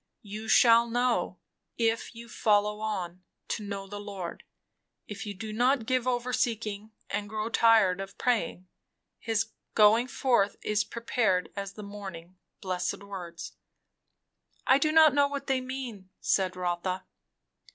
You shall know, 'if you follow on to know the Lord;' if you do not give over seeking and grow tired of praying. 'His going forth is prepared as the morning.' Blessed words!" "I do not know what they mean," said Rotha.